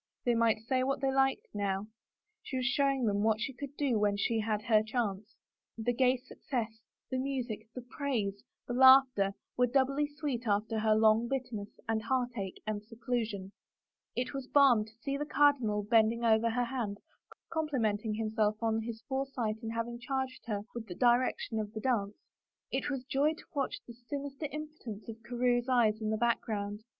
They might say what they liked now — she was showing them what she could do when she had her chance ! The gay success, the music, the praise, the laughter, were doubly sweet after her long bitterness and heartache and seclusion. It was balm to see the cardinal bending over her hand, complimenting himself on his foresight in having charged her with the direction of the dance, it was joy to watch the sinister impotence of Carewe's eyes in the background.